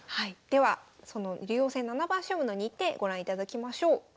ではその竜王戦七番勝負の日程ご覧いただきましょう。